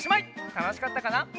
たのしかったかな？